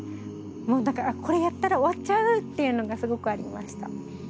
もう何かこれやったら終わっちゃうっていうのがすごくありました。